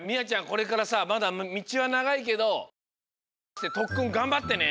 これからさまだみちはながいけどきしゅをめざしてとっくんがんばってね！